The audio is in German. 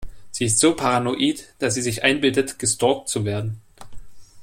Sie ist so paranoid, dass sie sich einbildet, gestalkt zu werden.